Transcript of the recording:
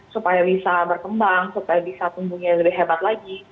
supaya bisa berkembang supaya bisa tumbuhnya lebih hebat lagi